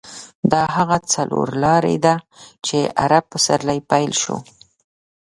دا هغه څلور لارې ده چې عرب پسرلی پیل شو.